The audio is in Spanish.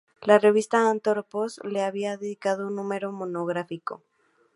La revista Anthropos le ha dedicado un número monográfico.